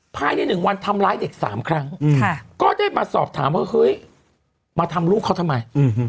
ภายใน๑วันทำร้ายเด็ก๓ครั้งก็ได้มาสอบถามว่าเฮ้ยมาทำลูกเขาทำไม